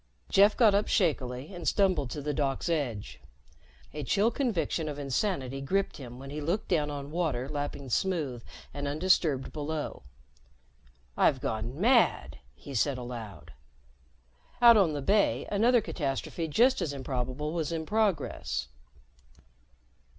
Jeff got up shakily and stumbled to the dock's edge. A chill conviction of insanity gripped him when he looked down on water lapping smooth and undisturbed below. "I've gone mad," he said aloud. Out on the bay, another catastrophe just as improbable was in progress.